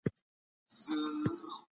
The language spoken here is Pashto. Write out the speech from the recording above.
د کتاب او کلي کيسې بايد سره نږدې سي.